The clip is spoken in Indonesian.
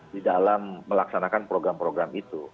di dalam melaksanakan program program itu